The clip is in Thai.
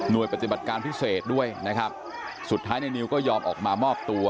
โดยปฏิบัติการพิเศษด้วยนะครับสุดท้ายในนิวก็ยอมออกมามอบตัว